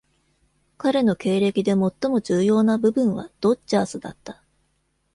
彼の経歴で最も重要な部分はドッジャースだった。